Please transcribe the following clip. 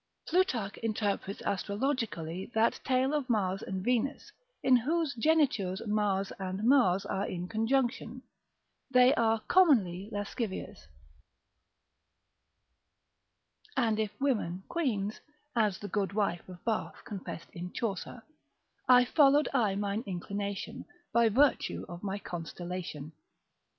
Plutarch interprets astrologically that tale of Mars and Venus, in whose genitures ♂ and ♂ are in conjunction, they are commonly lascivious, and if women queans; as the good wife of Bath confessed in Chaucer; I followed aye mine inclination, By virtue of my constellation.